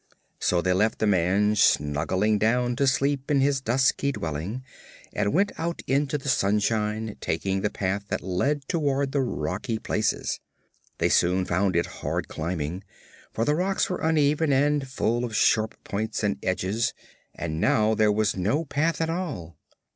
So they left the man snuggling down to sleep in his dusky dwelling, and went out into the sunshine, taking the path that led toward the rocky places. They soon found it hard climbing, for the rocks were uneven and full of sharp points and edges, and now there was no path at all.